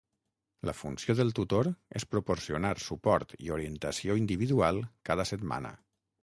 La funció del tutor és proporcionar suport i orientació individual cada setmana.